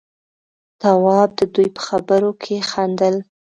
تواب د دوي په خبرو کې خندل.